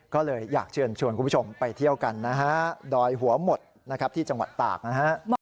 ก็เลยอยากเชิญชวนคุณผู้ชมไปเที่ยวกันนะฮะดอยหัวหมดนะครับที่จังหวัดตากนะฮะ